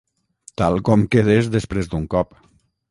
Tal com quedes després d'un cop.